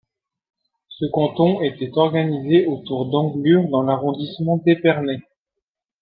Ce canton était organisé autour d'Anglure dans l'arrondissement d'Épernay.